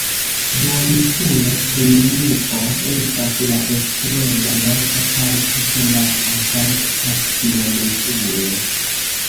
Duoninsulo Triunuo estas la ekstrema norda parto de la Antarkta Duoninsulo.